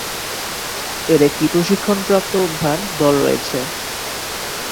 এর একটি প্রশিক্ষণপ্রাপ্ত উদ্ধার দল রয়েছে।